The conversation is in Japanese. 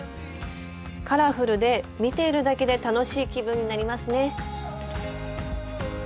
カラフルで見ているだけで楽しい気分になりますね。